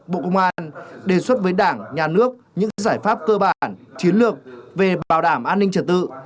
bộ công an đề xuất với đảng nhà nước những giải pháp cơ bản chiến lược về bảo đảm an ninh trật tự